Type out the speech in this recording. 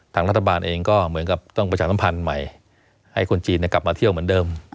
ทางรัฐบาลเองก็เหมือนกับต้องประชาสัมพันธ์ใหม่ให้คนจีนกลับมาเที่ยวเหมือนเดิม